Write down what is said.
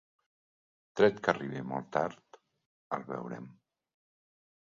Tret que arribi molt tard, el veurem.